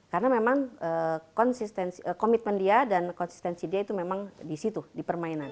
karena memang komitmen dia dan konsistensi dia itu memang disitu di permainan